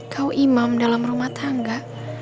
kau imam dalam rumah tangga